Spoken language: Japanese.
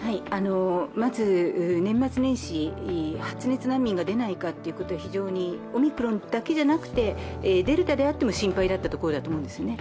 まず年末年始、発熱難民が出ないかということが非常にオミクロンだけではなくて、デルタであっても心配だったところだと思うんですね。